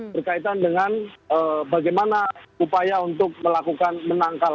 berkaitan dengan bagaimana upaya untuk melakukan menangkal